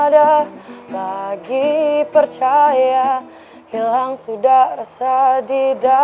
lagi percaya hilang sudah rasa didatang